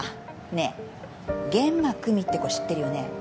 ねえ諫間久実って子知ってるよね。